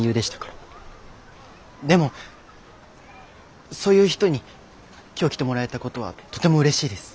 でもそういう人に今日来てもらえたことはとてもうれしいです。